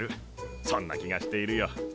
そんな気がしているよ。